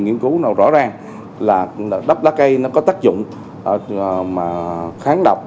nghiên cứu nào rõ ràng là đắp lá cây nó có tác dụng kháng độc